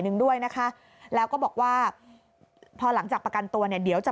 หนึ่งด้วยนะคะแล้วก็บอกว่าพอหลังจากประกันตัวเนี่ยเดี๋ยวจะ